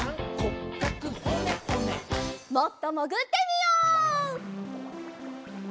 もっともぐってみよう。